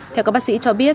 theo các bác sĩ cho biết